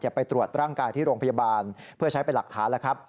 ไปตรวจร่างกายที่โรงพยาบาลเพื่อใช้เป็นหลักฐานแล้วครับ